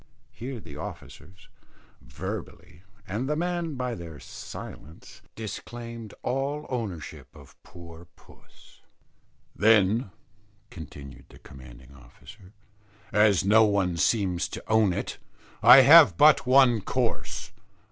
Here the officers, verbally, and the men, by their silence, disclaimed all ownership of poor puss. "Then," continued the commanding officer, "as no one seems to own it, I have but one course.